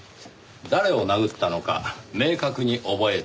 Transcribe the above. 誰を殴ったのか明確に覚えていない。